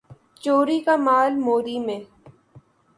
چوری کا مال موری میں